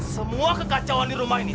semua kekacauan di rumah ini